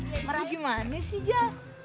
ibu gimana sih jal